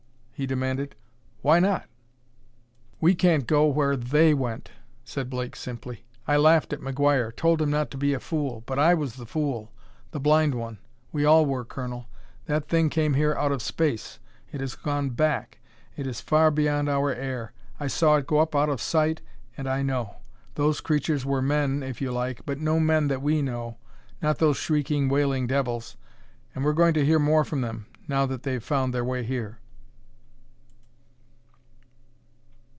he demanded. "Why not?" "We can't go where they went," said Blake simply. "I laughed at McGuire; told him not to be a fool. But I was the fool the blind one; we all were, Colonel. That thing came here out of space. It has gone back; it is far beyond our air. I saw it go up out of sight, and I know. Those creatures were men, if you like, but no men that we know not those shrieking, wailing devils! And we're going to hear more from them, now that they've found their way here!"